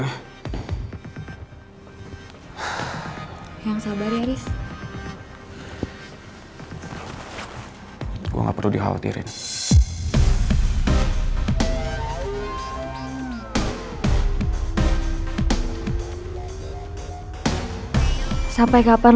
lo punya salah sama tante nawang